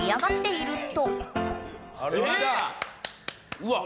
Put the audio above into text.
うわっ。